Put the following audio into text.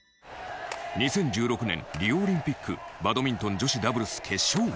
２０１６年リオオリンピックバドミントン女子ダブルス決勝。